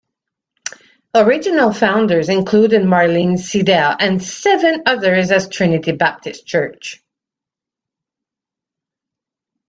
Original founders included Marlene Seidel and seven others at Trinity Baptist Church.